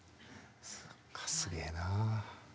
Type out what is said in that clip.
そっかすげえな。